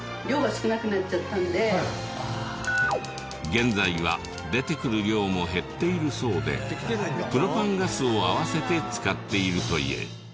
現在は出てくる量も減っているそうでプロパンガスを併せて使っているという。